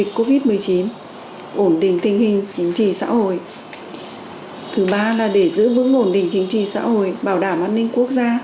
tuyên truyền về cái việc